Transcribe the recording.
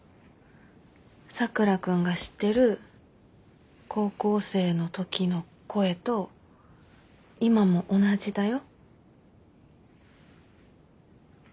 佐倉君が知ってる高校生のときの声と今も同じだよ。